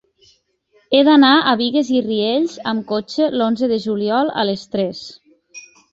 He d'anar a Bigues i Riells amb cotxe l'onze de juliol a les tres.